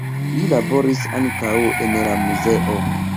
Li laboris ankaŭ en la muzeo.